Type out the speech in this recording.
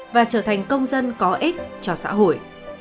và trở thành công dân có ích cho xã hội